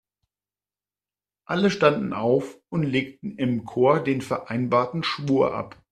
Alle standen auf und legten im Chor den vereinbarten Schwur ab.